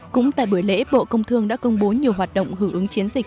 cũng tại buổi lễ bộ công thương đã công bố nhiều hoạt động hưởng ứng chiến dịch